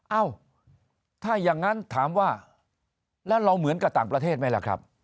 เอ้าถ้าอย่างนั้นถามว่าแล้วเราเหมือนกับต่างประเทศไหมล่ะครับ